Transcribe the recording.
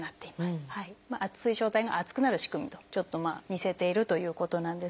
水晶体が厚くなる仕組みとちょっとまあ似せているということなんですが。